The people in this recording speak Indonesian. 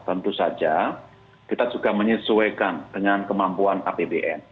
tentu saja kita juga menyesuaikan dengan kemampuan apbn